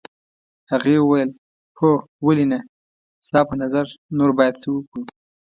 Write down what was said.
هغې وویل هو ولې نه ستا په نظر نور باید څه وکړو.